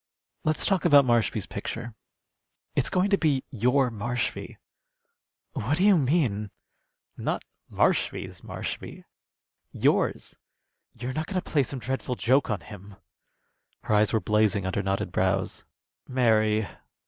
Let's talk about Marshby's picture. It's going to be your Marshby." "What do you mean?" "Not Marshby's Marshby yours." "You're not going to play some dreadful joke on him?" Her eyes were blazing under knotted brows. "Mary!"